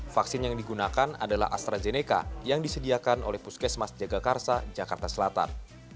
vaksin yang digunakan adalah astrazeneca yang disediakan oleh puskesmas jagakarsa jakarta selatan